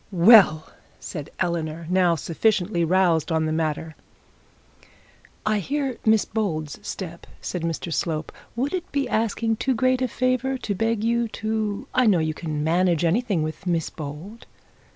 'Well!' said Eleanor, now sufficiently roused on the matter. 'I fear Miss Bold's step,' said Mr Slope, 'would it be asking too great a favour to beg you to I know you can manage anything with Miss Bold.'